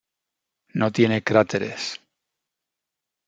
No tiene cráteres.